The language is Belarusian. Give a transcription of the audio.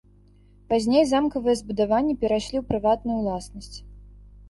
Пазней замкавыя збудаванні перайшлі ў прыватную уласнасць.